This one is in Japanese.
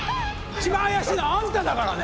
一番怪しいのあんただからね！